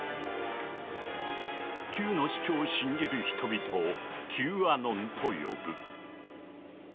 Ｑの主張を信じる人々を「Ｑアノン」と呼ぶ。